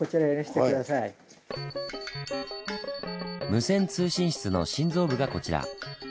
無線通信室の心臓部がこちら。